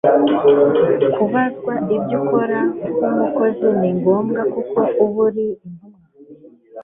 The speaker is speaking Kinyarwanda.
kubazwa ibyo ukora nk'umuyobozi ni ngombwa, kuko uba uri intumwa